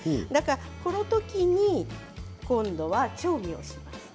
このときに調味をします。